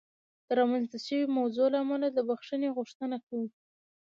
د رامنځته شوې موضوع له امله د بخښنې غوښتنه کوم.